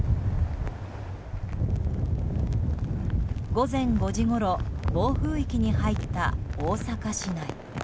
午前５時ごろ暴風域に入った大阪市内。